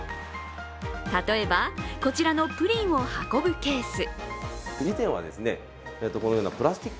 例えば、こちらのプリンを運ぶケース。